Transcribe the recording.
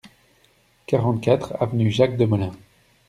quarante-quatre avenue Jacques Demolin